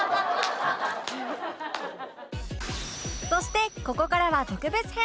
そしてここからは特別編